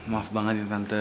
maaf banget ya tante